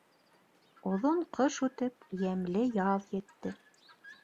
Оҙон ҡыш үтеп, йәмле яҙ етте.